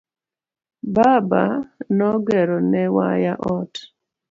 Baba no gero ne waya ot.